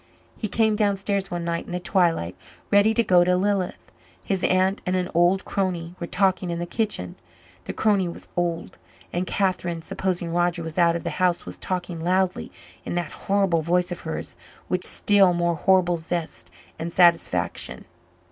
He came downstairs one night in the twilight, ready to go to Lilith. His aunt and an old crony were talking in the kitchen; the crony was old, and Catherine, supposing Roger was out of the house, was talking loudly in that horrible voice of hers with still more horrible zest and satisfaction.